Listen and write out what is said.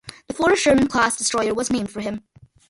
The Forrest Sherman class destroyer was named for him.